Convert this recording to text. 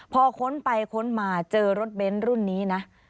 พอค้นไปค้นมาเจอรถเบ้นรุ่นนี้นะ